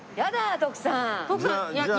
徳さん！